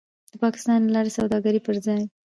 د پاکستان له لارې د سوداګرۍ پر ځای